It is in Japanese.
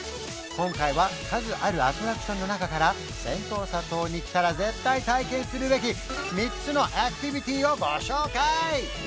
今回は数あるアトラクションの中からセントーサ島に来たら絶対体験するべき３つのアクティビティをご紹介！